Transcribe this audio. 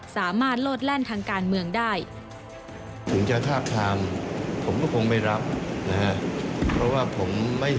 สามารถโลดแล่นทางการเมืองได้